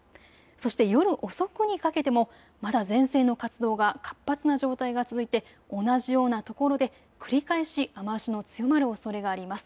そして夜遅くにかけてもまだ前線の活動が活発な状態が続いて同じようなところで繰り返し雨足の強まるおそれがあります。